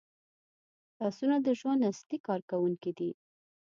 لاسونه د ژوند اصلي کارکوونکي دي